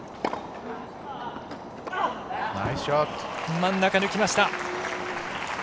真ん中、抜きました。